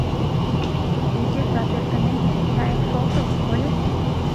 Изиш жап эртымеке, чайым шолто, кольыч?